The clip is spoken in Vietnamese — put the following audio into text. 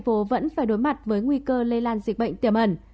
thành phố vẫn phải đối mặt với nguy cơ lây lan dịch bệnh tiềm ẩn